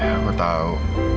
ya aku tau